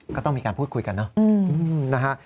ก็ต้องมีการพูดคุยกันเนาะ